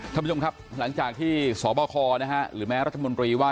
ท่านผู้ชมครับหลังจากที่สบคหรือแม้รัฐมนตรีว่า